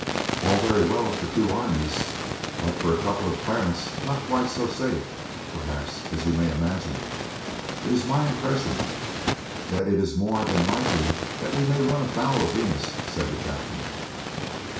"All very well for two armies, but for a couple of planets not quite so safe, perhaps, as you may imagine. It is my impression that it is more than likely we may run foul of Venus," said the captain.